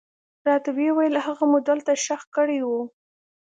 راته ويې ويل هغه مو دلته ښخ کړى و.